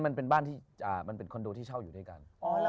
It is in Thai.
มันเป็นบ้านคอนโดที่เช่าอยู่ด้วยกัน